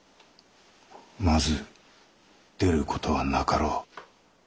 まず出る事はなかろう。